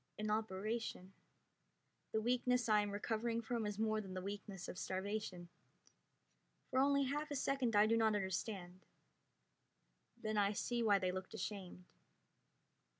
An operation. The weakness I am recovering from is more than the weakness of starvation. For only half a second I do not understand; then I see why they looked ashamed.